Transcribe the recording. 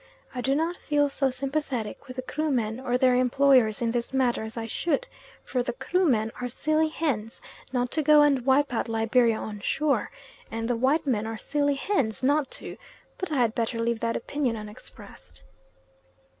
I do not feel so sympathetic with the Krumen or their employers in this matter as I should, for the Krumen are silly hens not to go and wipe out Liberia on shore, and the white men are silly hens not to but I had better leave that opinion unexpressed.